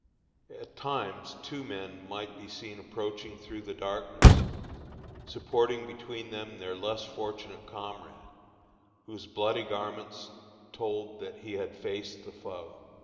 At times two men might be seen approaching through the darkness, supporting between them their less fortunate comrade, whose bloody garments told that he had faced the foe.